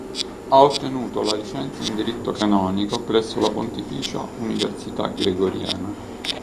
Ha ottenuto la licenza in diritto canonico presso la Pontificia Università Gregoriana.